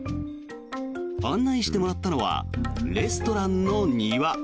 案内してもらったのはレストランの庭。